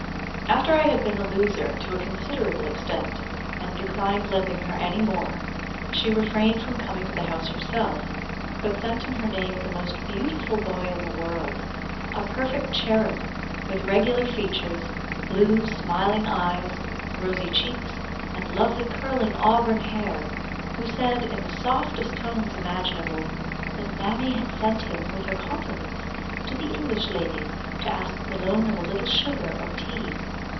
After I had been a loser to a considerable extent, and declined lending her any more, she refrained from coming to the house herself, but sent in her name the most beautiful boy in the world; a perfect cherub, with regular features, blue, smiling eyes, rosy cheeks, and lovely curling auburn hair, who said, in the softest tones imaginable, that mammy had sent him, with her compliments, to the English lady to ask the loan of a little sugar or tea.